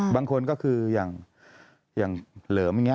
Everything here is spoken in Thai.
บางคนก็คืออย่างเหลิมอย่างนี้